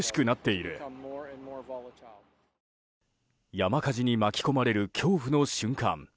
山火事に巻き込まれる恐怖の瞬間